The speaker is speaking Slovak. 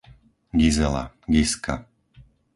Gizela, Gizka